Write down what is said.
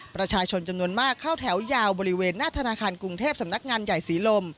ประชาชนจำนวนมากเข้าแถวยาวบริเวณหน้าธนาคารกรุงเทพสำนักงานใหญ่ศรีลม